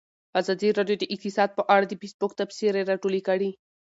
ازادي راډیو د اقتصاد په اړه د فیسبوک تبصرې راټولې کړي.